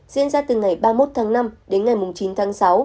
diễn ra từ ngày ba mươi một tháng năm đến ngày chín tháng sáu